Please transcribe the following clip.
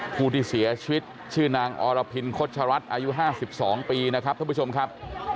ผู้ที่เสียชีวิตชื่อนางอรพินโฆษรัฐอายุ๕๒ปีนะครับท่านผู้ชมครับ